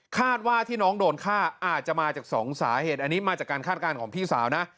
คาดว่าที่น้องโดนฆ่าอาจจะมาจากสองสาเหตุอันนี้มาจากการคาดการณ์ของพี่สาวนะ